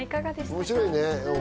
面白いね。